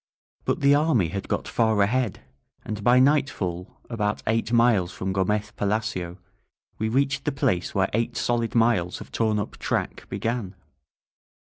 But the army had got far ahead, and by nightfall, about eight miles from Gomez Pa lacio, we reached the place where eight solid miles of torn up track began.